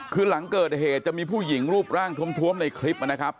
คือหลังเกิดเหตุจะมีผู้หญิงรูปร่างท้วมในคลิปนะครับ